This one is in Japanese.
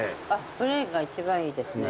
プレーンが一番いいですね。